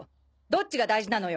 どっちが大事なのよ。